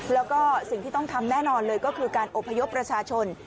แล้วก็สิ่งที่ต้องทำแน่นอนเลยก็คือการอบพยพประชาชน